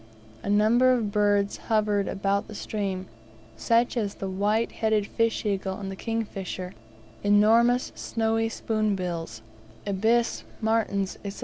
A number of birds hovered about stream, such as the white headed fish eagle and the kingfisher, enormous, snowy spoonbills, ibis, martins, &c.